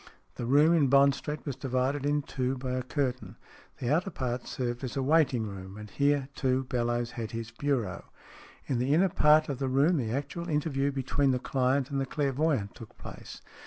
The room in Bond Street was divided in two by a curtain. The outer part served as a waiting room, and here, too, Bellowes had his bureau. In the inner part of the room the actual interview between the client and the clairvoyant took place.